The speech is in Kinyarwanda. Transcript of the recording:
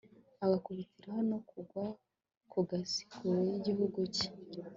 agakubitiraho no kugwa ku gasi, kure y'igihugu cye